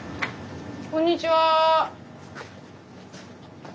こんにちは。